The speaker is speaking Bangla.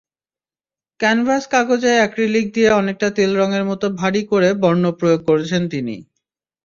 ক্যানভাস-কাগজে অ্যাক্রিলিক দিয়ে অনেকটা তেলরঙের মতো ভারী করে বর্ণ প্রয়োগ করেছেন তিনি।